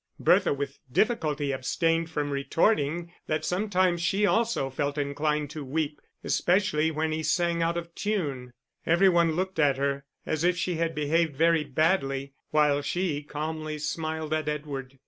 Bertha with difficulty abstained from retorting that sometimes she also felt inclined to weep especially when he sang out of tune. Every one looked at her, as if she had behaved very badly, while she calmly smiled at Edward.